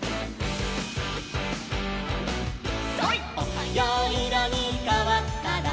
「おはよういろにかわったら」